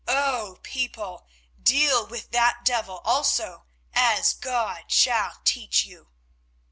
O people, do with that devil also as God shall teach you.